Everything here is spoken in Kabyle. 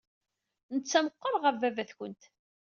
Netta meɣɣer ɣef baba-twent!